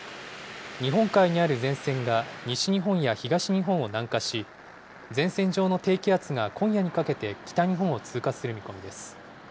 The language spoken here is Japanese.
日本海にある前線が西日本や東日本を南下し、前線上の低気圧が今夜にかけて北日本を通過する見込みです。